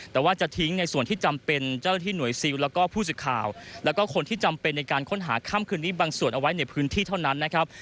แต่ว่าจะทิ้งในส่วนที่จำเป็นเจ้าหน้าที่หน่วยซิลแล้วก็ผู้สื่อข่าวแล้วก็คนที่จำเป็นในการค้นหาค่ำคืนนี้บางส่วนเอาไว้ในพื้นที่เท่านั้นนะครับ